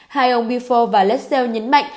hai ông bifor và lassell nhấn mạnh